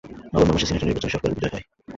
November মাসে সিনেটের নির্বাচনে সরকারের বিজয় হয়।